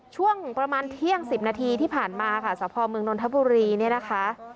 ช่วงประมาณเที่ยง๑๐นาทีที่ผ่านมาค่ะสพเมืองนนทบุรีเนี่ยนะคะ